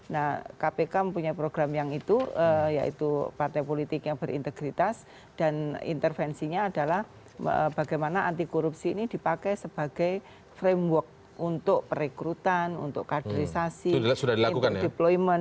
nah kpk mempunyai program yang itu yaitu partai politik yang berintegritas dan intervensinya adalah bagaimana anti korupsi ini dipakai sebagai framework untuk perekrutan untuk kaderisasi interdeployment